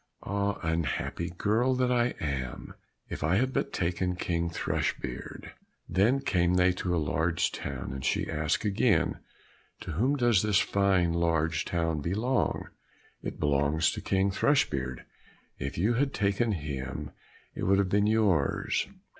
"Ah, unhappy girl that I am, if I had but taken King Thrushbeard!" Then they came to a large town, and she asked again, "To whom does this fine large town belong?" "It belongs to King Thrushbeard; if you had taken him, it would have been yours."